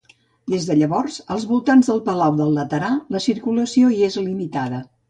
Des de llavors als voltants del palau del Laterà la circulació hi és limitada.